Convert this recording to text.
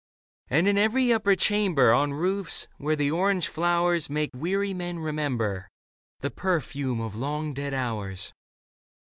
And in every upper chamber, On roofs, where the orange flowers Make weary men remember The perfume of long dead hours.